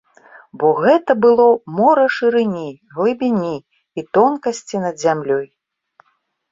Бо гэта было мора шырыні, глыбіні і тонкасці над зямлёй.